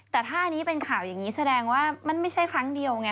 แต่ถ้าอันนี้เป็นข่าวอย่างนี้แสดงว่ามันไม่ใช่ครั้งเดียวไง